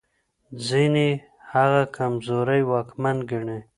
ځينې هغه کمزوری واکمن ګڼي.